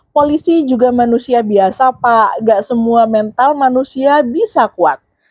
polisi juga manusia biasa pak gak semua mental manusia bisa kuat